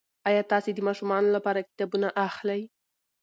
ایا تاسي د ماشومانو لپاره کتابونه اخلئ؟